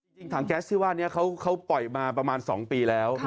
ถังแก๊สที่ว่านี้เขาปล่อยมาประมาณ๒ปีแล้ว